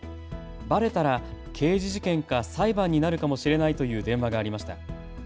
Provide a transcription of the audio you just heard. ばれたら刑事事件か裁判になるかもしれないという電話がありました。